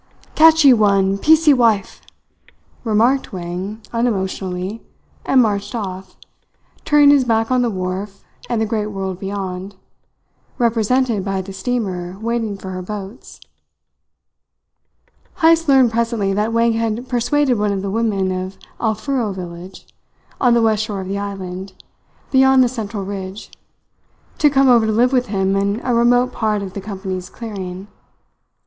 "Catchee one piecee wife," remarked Wang unemotionally, and marched off, turning his back on the wharf and the great world beyond, represented by the steamer waiting for her boats. Heyst learned presently that Wang had persuaded one of the women of Alfuro village, on the west shore of the island, beyond the central ridge, to come over to live with him in a remote part of the company's clearing.